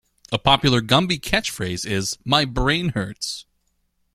A popular Gumby catchphrase is My brain hurts!